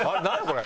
これ。